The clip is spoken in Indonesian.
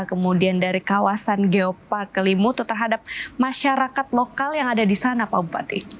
kemudian dari kawasan geopark kelimutu terhadap masyarakat lokal yang ada di sana pak bupati